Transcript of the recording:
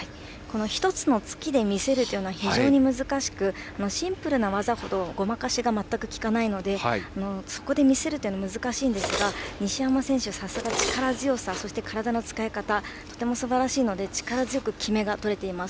１つの突きで見せるのは非常に難しくシンプルな技ほどごまかしが利かないのでそこで見せるというのは難しいんですが西山選手、さすがの力強さ体の使い方がすばらしいので力強く極めが取れています。